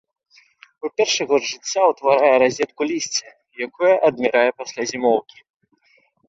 У першы год жыцця ўтварае разетку лісця, якое адмірае пасля зімоўкі.